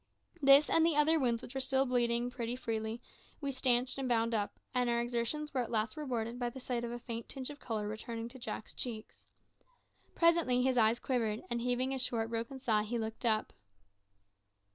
This, and the other wounds which were still bleeding pretty freely, we stanched and bound up, and our exertions were at length rewarded by the sight of a faint tinge of colour returning to Jack's cheeks. Presently his eyes quivered, and heaving a short, broken sigh, he looked up.